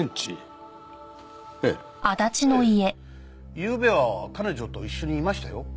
ゆうべは彼女と一緒にいましたよ。